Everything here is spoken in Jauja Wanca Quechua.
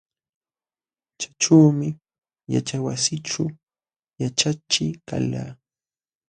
Chaćhuumi yaćhaywasićhu yaćhachiq kalqa.